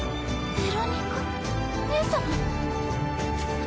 ベロニカ姉様！